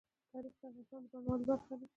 تاریخ د افغانستان د بڼوالۍ برخه ده.